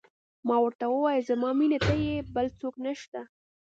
ما ورته وویل: زما مینه ته یې، بل څوک نه شته.